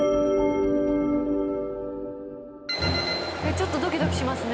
ちょっとドキドキしますね。